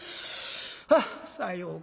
「はっさようか。